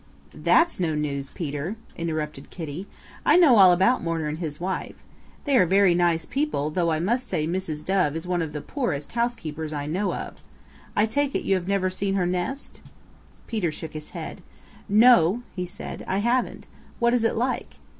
"That's no news, Peter," interrupted Kitty. "I know all about Mourner and his wife. They are very nice people, though I must say Mrs. Dove is one of the poorest housekeepers I know of. I take it you never have seen her nest." Peter shook his head. "No," said he, "I haven't. What is it like?"